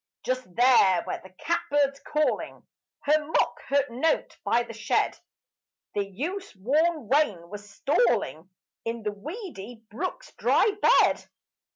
Just there where the catbird's calling Her mock hurt note by the shed, The use worn wain was stalling In the weedy brook's dry bed.